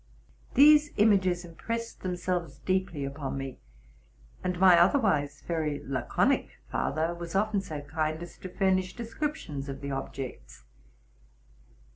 These images impressed themselves RELATING TO MY LIFE. 13 deeply upon me, and my otherwise very laconic father was often so kind as to furnish descriptions of the objects.